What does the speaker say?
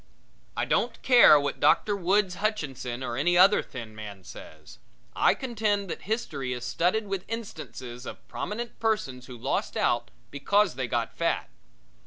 I don't care what Dr. Woods Hutchinson or any other thin man says! I contend that history is studded with instances of prominent persons who lost out because they got fat.